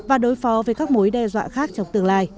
và đối phó với các mối đe dọa khác trong tương lai